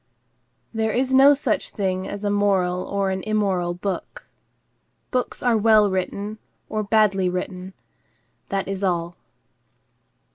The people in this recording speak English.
There is no such thing as a moral or an immoral book. Books are well written, or badly written. That is all.